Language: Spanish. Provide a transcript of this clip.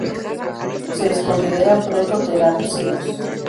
Se les considera proto-terápsidos.